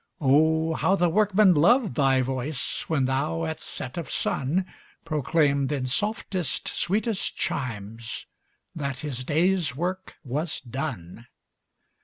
Oh, how the workman loved thy voice, When thou, at set of sun, Proclaimed in softest, sweetest chimes, That his day's work was done.